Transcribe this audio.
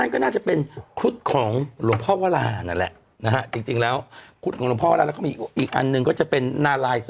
ก็น่าจะเป็นครุฑของหลวงพ่อวรานั่นแหละนะฮะจริงแล้วครุฑของหลวงพ่อแล้วก็มีอีกอันหนึ่งก็จะเป็นนาลาย